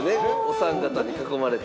お三方に囲まれて。